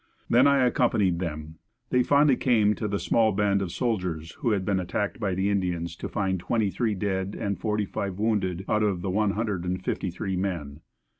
Then I accompanied them. They finally came to the small band of soldiers, who had been attacked by the Indians, to find twenty three dead, and forty five wounded out of the one hundred and fifty three men.